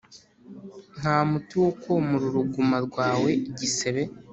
Nta muti wo komora uruguma rwawe igisebe